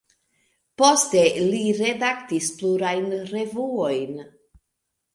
Poste li redaktis plurajn revuojn.